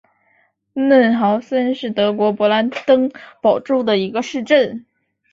嫩豪森是德国勃兰登堡州的一个市镇。